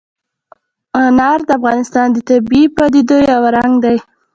انار د افغانستان د طبیعي پدیدو یو رنګ دی.